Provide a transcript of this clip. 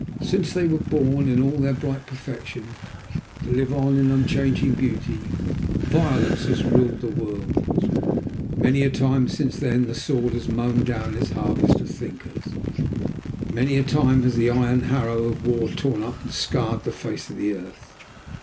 Since they were born in all their bright perfection, to live on in unchanging beauty, violence has ruled the world; many a time since then the sword has mown down its harvest of thinkers, many a time has the iron harrow of war torn up and scarred the face of the earth.